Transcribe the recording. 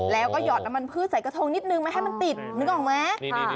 แล้วก็หยอดน้ำมันพืชใส่กระทงนิดนึงไม่ให้มันติดนึกออกไหม